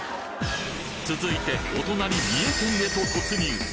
続いてお隣三重県へと突入